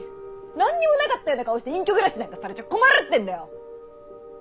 何にもなかったような顔して隠居暮らしなんかされちゃ困るってんだよ！